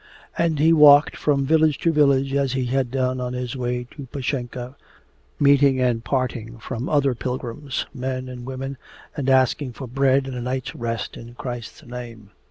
And he walked from village to village as he had done on his way to Pashenka, meeting and parting from other pilgrims, men and women, and asking for bread and a night's rest in Christ's name.